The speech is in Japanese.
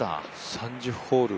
３０ホール